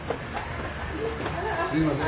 すいません。